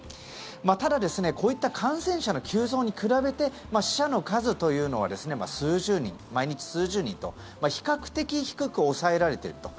ただ、こういった感染者の急増に比べて死者の数というのは毎日数十人と比較的低く抑えられていると。